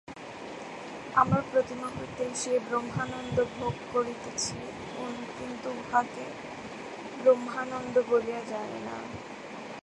আমরা প্রতিমুহূর্তেই সেই ব্রহ্মানন্দ ভোগ করিতেছি, কিন্তু উহাকে ব্রহ্মানন্দ বলিয়া জানি না।